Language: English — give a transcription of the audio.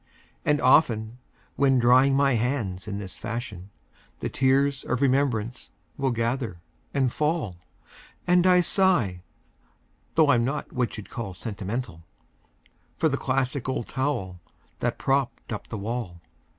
And often, when drying my hands in this fashion, The tears of remembrance will gather and fall, And I sigh (though I'm not what you'd call sentimental) For the classic old towel that propped up the wall.